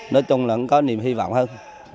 nói chung là cũng có niềm hy vọng hơn